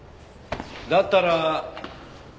だったら。